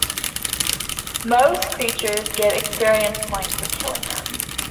Most creatures give experience points for killing them.